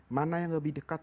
mana yang lebih dekat